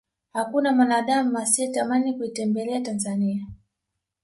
hakuna mwanadamu asiyetamani kuitembelea tanzania